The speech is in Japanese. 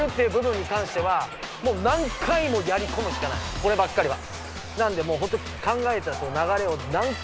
こればっかりは。